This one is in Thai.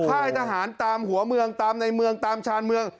ค่ายทหารตามหัวเมืองตามในเมืองตามชานเมือง